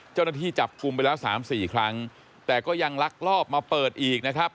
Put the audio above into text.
เจ้าหน้าที่จับกลุ่มไปแล้วสามสี่ครั้งแต่ก็ยังลักลอบมาเปิดอีกนะครับ